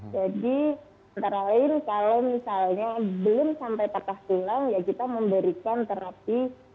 jadi antara lain kalau misalnya belum sampai patah silang ya kita memberikan terapi latihan